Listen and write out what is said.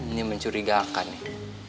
ini mencurigakan nih